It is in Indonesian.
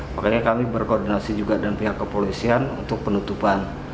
makanya kami berkoordinasi juga dengan pihak kepolisian untuk penutupan